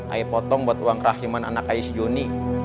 ayah potong buat uang kerahiman anak ayah si joni